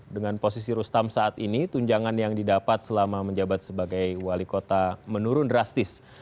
dengan posisi rustam saat ini tunjangan yang didapat selama menjabat sebagai wali kota menurun drastis